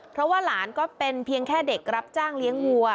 เพราะว่าหลานก็เป็นเพียงแค่เด็กรับจ้างเลี้ยงวัว